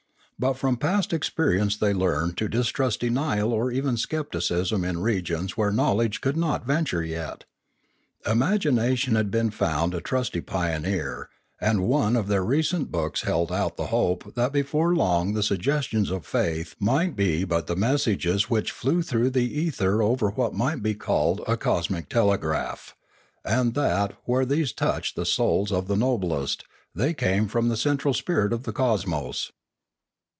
But from past experience they learned to distrust denial or even scepticism in regions where knowledge could not venture yet. Imagination had been found a trusty pioneer, and one of their recent books held out the hope that before long the suggestions of faith might be but the messages which flew through the ether over what might be called a cosmic telegraph, and that, where these touched the souls of the noblest, they came from the central spirit of the cosmos.